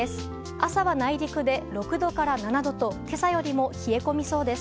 朝は内陸で６度から７度と今朝よりも冷え込みそうです。